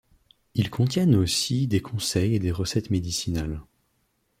Ils contiennent aussi des conseils et des recettes médicinales.